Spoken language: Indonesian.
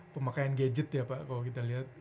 pemakaian gadget ya pak kalau kita lihat